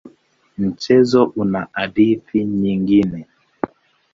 Mchezo una hadithi nyingine.